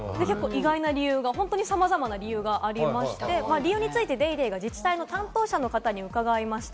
意外な理由が本当にさまざまな理由がありまして、理由について『ＤａｙＤａｙ．』が自治体の担当者の方に伺いました。